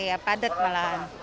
iya padat malahan